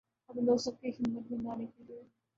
اپنے دوستوں کی ہمت بندھانے کے لئے